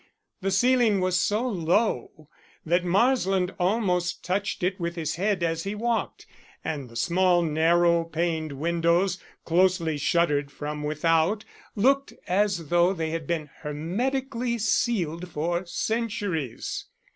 The ceiling was so low that Marshland almost touched it with his head as he walked, and the small narrow paned windows, closely shuttered from without, looked as though they had been hermetically sealed for centuries.